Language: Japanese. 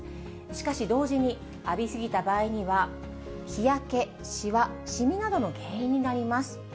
しかし同時に浴び過ぎた場合には、日焼け、しわ、シミなどの原因になります。